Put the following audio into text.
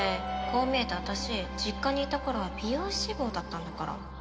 こう見えて私実家にいた頃は美容師志望だったんだから。